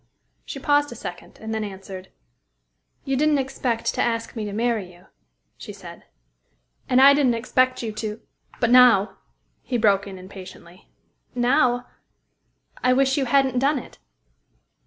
She paused a second, and then answered, "You didn't expect to ask me to marry you," she said. "And I didn't expect you to" "But now" he broke in impatiently. "Now I wish you hadn't done it."